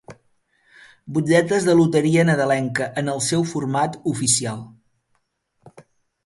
Butlletes de loteria nadalenca en el seu format oficial.